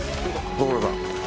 ご苦労さん。